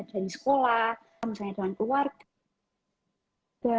dari sekolah atau misalnya dari keluarga